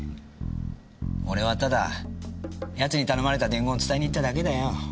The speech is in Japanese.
俺はただ奴に頼まれた伝言を伝えに行っただけだよ。